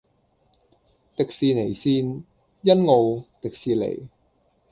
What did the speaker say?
迪士尼綫：欣澳，迪士尼